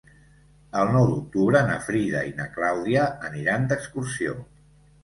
El nou d'octubre na Frida i na Clàudia aniran d'excursió.